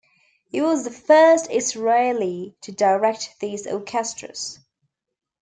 He was the first Israeli to direct these orchestras.